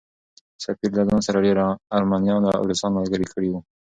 سفیر له ځان سره ډېر ارمنیان او روسان ملګري کړي وو.